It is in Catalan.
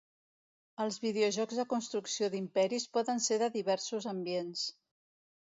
Els videojocs de construcció d'imperis poden ser de diversos ambients.